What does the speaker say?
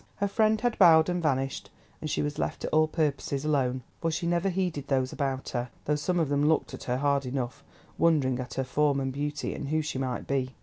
Her friend had bowed and vanished, and she was left to all purposes alone, for she never heeded those about her, though some of them looked at her hard enough, wondering at her form and beauty, and who she might be.